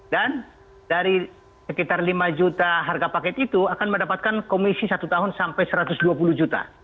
dari sekitar lima juta harga paket itu akan mendapatkan komisi satu tahun sampai satu ratus dua puluh juta